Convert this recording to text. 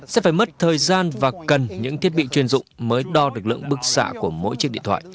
sẽ phải mất thời gian và cần những thiết bị chuyên dụng mới đo được lượng bức xạ của mỗi chiếc điện thoại